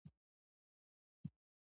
دلته هم ښه تکړه علما سته.